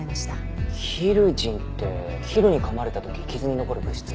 ヒルジンってヒルに噛まれた時傷に残る物質。